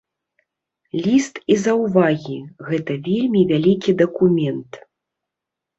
Ліст і заўвагі, гэта вельмі вялікі дакумент.